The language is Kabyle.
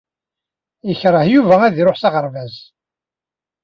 Ikṛeh Yuba ad iṛuḥ s aɣerbaz.